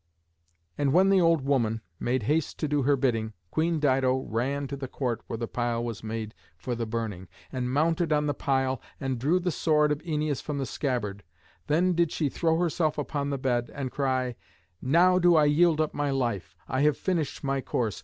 And when the old woman made haste to do her bidding, Queen Dido ran to the court where the pile was made for the burning, and mounted on the pile, and drew the sword of Æneas from the scabbard. Then did she throw herself upon the bed, and cry, "Now do I yield up my life. I have finished my course.